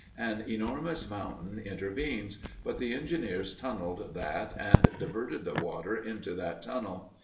An enormous mountain intervenes, but the engineers tunneled that and diverted the water into that tunnel.